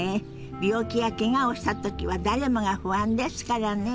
病気やけがをした時は誰もが不安ですからね。